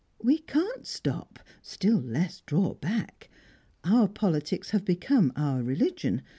We can't stop still less draw back. Our politics have become our religion.